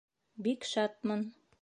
Бик шатмын!